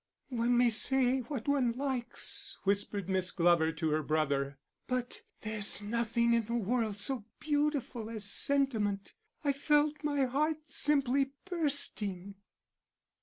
"One may say what one likes," whispered Miss Glover to her brother, "but there's nothing in the world so beautiful as sentiment. I felt my heart simply bursting."